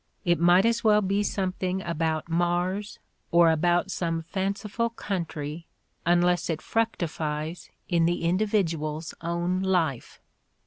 It might as well be something about Mars or about some fanciful country unless it fructifies in the individual's own life.